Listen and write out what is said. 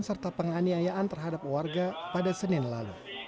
serta penganiayaan terhadap warga pada senin lalu